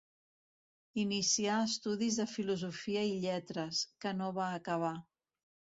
Inicià estudis de filosofia i lletres, que no va acabar.